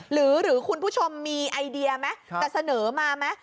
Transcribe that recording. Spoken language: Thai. หรือคุณผู้ชมมีไอเดียไหมจะเสนอมาไหม